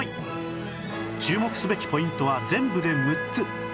注目すべきポイントは全部で６つ